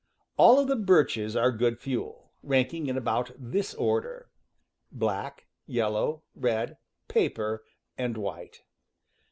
All of the birches are good fuel, ranking in about this order: black, yellow, red, paper, and white.